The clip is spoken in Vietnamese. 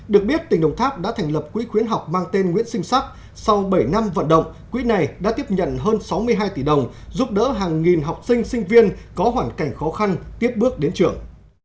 được biết tỉnh đồng tháp đã thành lập quỹ khuyến học mang tên nguyễn sinh sắc sau bảy năm vận động quỹ này đã tiếp nhận hơn sáu mươi hai tỷ đồng giúp đỡ hàng nghìn học sinh sinh viên có hoàn cảnh khó khăn tiếp bước đến trường